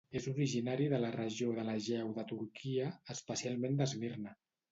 És originari de la Regió de l'Egeu de Turquia, especialment d'Esmirna.